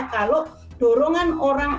kalau dorongan orang